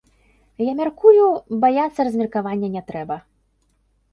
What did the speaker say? Я мяркую, баяцца размеркавання не трэба.